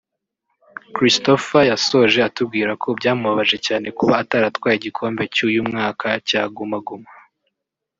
Christopher yasoje atubwira ko byamubabaje cyane kuba ataratwaye igikombe cy’uyu mwaka cya Guma Guma